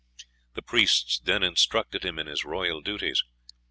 The priests then instructed him in his royal duties.